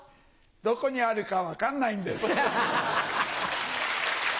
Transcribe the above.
どこにあるか分かんないんです。